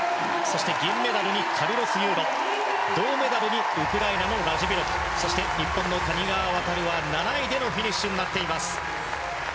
そして、銀メダルにカルロス・ユーロ銅メダルにウクライナのラジビロフそして、日本の谷川航は７位でのフィニッシュ。